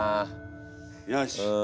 よし。